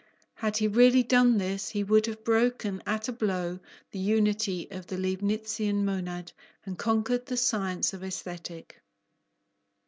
Had he really done this, he would have broken at a blow the unity of the Leibnitzian monad, and conquered the science of Aesthetic.